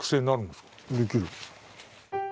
できるよ。